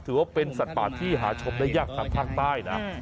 ถือว่าเป็นสัตว์ป่าที่หาชมได้ยากทางภาคใต้นะ